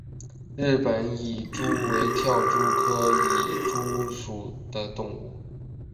日本蚁蛛为跳蛛科蚁蛛属的动物。